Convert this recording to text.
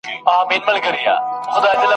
لا به تر څو د خپل ماشوم زړګي تسل کومه !.